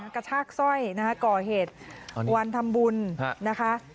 กระชากสร้อยนะคะก่อเหตุวันทำบุญนะคะ